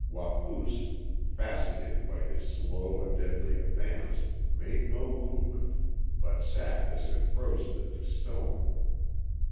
Wapoos, fascinated by his slow and deadly advance, made no movement, but sat as if frozen into stone.